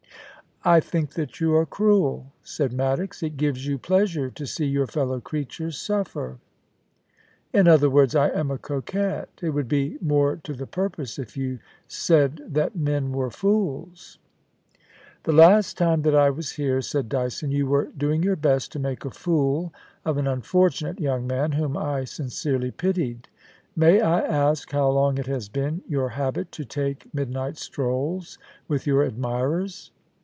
'I think that you are cruel,' said Maddox. * It gives you pleasure to see your fellow creatures suffer.' * In other words, I am a coquette. It would be more to the purpose if you said that men were fools.' k THE ENCHANTRESS OF KOORALBYN. 83 * The last time that I was here/ said D>'son, * you were doing your best to make a fool of an unfortunate young man whom I sincerely pitied. May I ask how long it has been your habit to take midnight strolls with your admirers